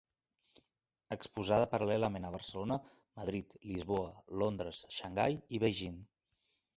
Exposada Paral·lelament a Barcelona, Madrid, Lisboa, Londres, Xangai i Beijing.